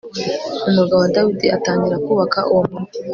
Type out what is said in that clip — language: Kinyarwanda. umurwa wa dawidi atangira kubaka uwo murwa